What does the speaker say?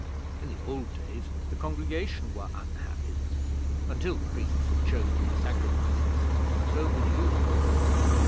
In the old days the congregation were unhappy until the priests had chosen their sacrifices; and so would you have been.